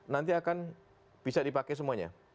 nanti akan bisa dipakai semuanya